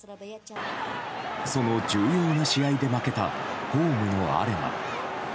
その重要な試合で負けたホームのアレマ。